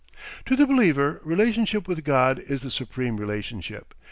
To the believer, relationship with God is the supreme relationship.